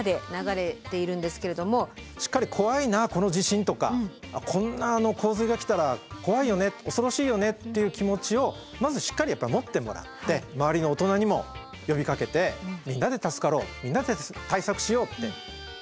しっかり「怖いなこの地震」とか「こんな洪水が来たら怖いよね恐ろしいよね」っていう気持ちをまずしっかり持ってもらって周りの大人にも呼びかけてみんなで助かろうみんなで対策しようって。